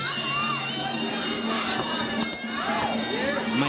เป็นขณะเนี่ย